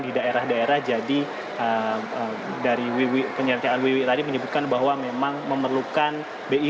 di daerah daerah jadi dari penyertaan wiwi tadi menyebutkan bahwa memang memerlukan bi